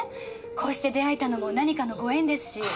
こうして出会えたのも何かのご縁ですし。